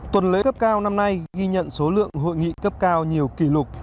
tuần lễ cấp cao năm nay ghi nhận số lượng hội nghị cấp cao nhiều kỷ lục